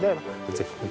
ぜひ。